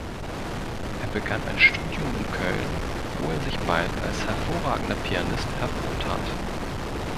Er begann ein Studium in Köln, wo er sich bald als hervorragender Pianist hervortat.